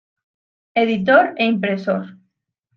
Editor e impresor.